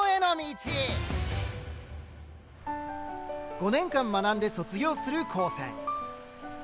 ５年間学んで卒業する高専。